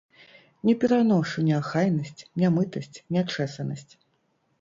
Не пераношу неахайнасць, нямытасць, нячэсанасць.